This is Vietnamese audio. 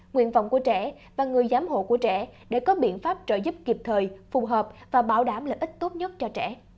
nguyện vọng của trẻ và người giám hộ của trẻ để có biện pháp trợ giúp kịp thời phù hợp và bảo đảm lợi ích tốt nhất cho trẻ